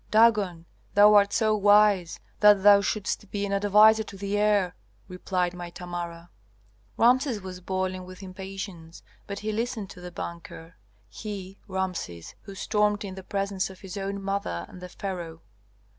'Dagon, thou art so wise that thou shouldst be an adviser to the heir,' replied my Tamara." Rameses was boiling with impatience, but he listened to the banker, he, Rameses, who stormed in the presence of his own mother and the pharaoh.